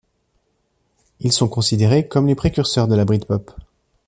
Ils sont considérés comme les précurseurs de la Britpop.